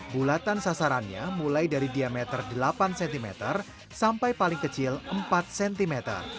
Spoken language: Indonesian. bulatan sasarannya mulai dari diameter delapan cm sampai paling kecil empat cm